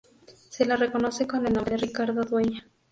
Se la reconoce con el nombre de "Ricardo Dueña".